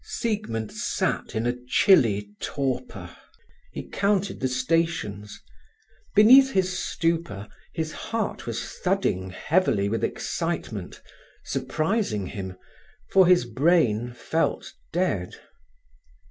Siegmund sat in a chilly torpor. He counted the stations. Beneath his stupor his heart was thudding heavily with excitement, surprising him, for his brain felt dead.